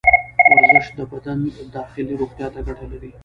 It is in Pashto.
ورزش د بدن داخلي روغتیا ته ګټه لري.